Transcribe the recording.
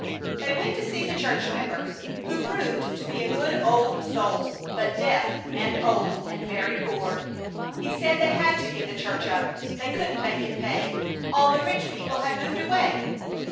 They went to see the church member, who proved to be a good old soul, but deaf and old and very poor. He said they had to give the church up; they couldn't make it pay. All the rich people had moved away.